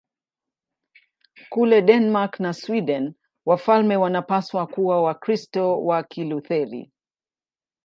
Kule Denmark na Sweden wafalme wanapaswa kuwa Wakristo wa Kilutheri.